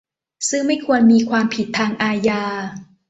ซึ่งไม่ควรมีความผิดทางอาญา